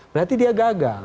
berarti dia gagal